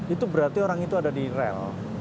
itu berarti orang itu ada di rel